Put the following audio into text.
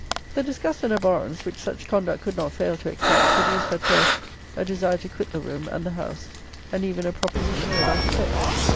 The disgust and abhorrence, which such conduct could not fail to excite, produced, at first, a desire to quit the room and the house, and even a proposition to that effect.